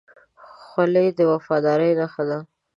خولۍ د وفادارۍ نښه ده.